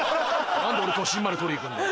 何で俺都心まで取りに行くんだよ。